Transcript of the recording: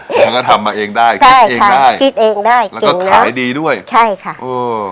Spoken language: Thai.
เราก็ทำมาเองได้ใช่ค่ะคิดเองได้แล้วก็ขายดีด้วยใช่ค่ะโอ้